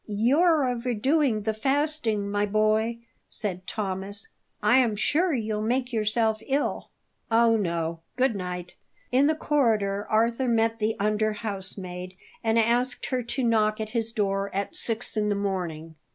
"You're overdoing that fasting, my boy," said Thomas; "I am sure you'll make yourself ill." "Oh, no! Good night." In the corridor Arthur met the under housemaid and asked her to knock at his door at six in the morning.